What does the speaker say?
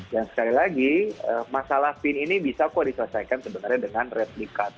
yang sekali lagi masalah pin ini bisa kok diselesaikan sebenarnya dengan replikat